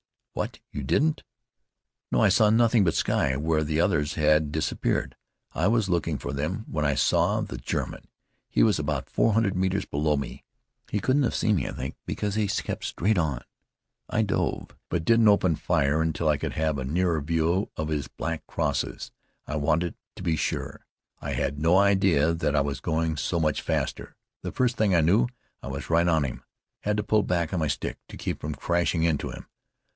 "What! you didn't " "No. I saw nothing but sky where the others had disappeared. I was looking for them when I saw the German. He was about four hundred metres below me. He couldn't have seen me, I think, because he kept straight on. I dove, but didn't open fire until I could have a nearer view of his black crosses. I wanted to be sure. I had no idea that I was going so much faster. The first thing I knew I was right on him. Had to pull back on my stick to keep from crashing into him.